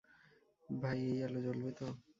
ভাই, এই আলো জ্বলবে তো?